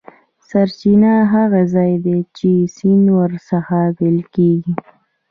سرچینه هغه ځاي دی چې سیند ور څخه پیل کیږي.